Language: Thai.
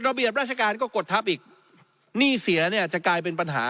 ระเบียบราชการก็กดทับอีกหนี้เสียเนี่ยจะกลายเป็นปัญหา